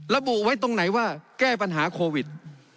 ระบุไว้ตรงไหนว่าแก้ปัญหาโควิด